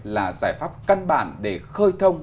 là giải pháp cân bản để khơi thông